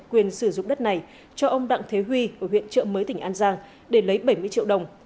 quyền sử dụng đất này cho ông đặng thế huy ở huyện trợ mới tỉnh an giang để lấy bảy mươi triệu đồng